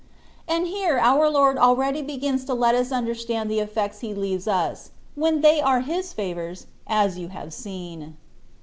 And here our Lord already begins to let us understand the effects He leaves us, when they are His favours, as you have seen.